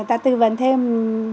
ta tư vấn thêm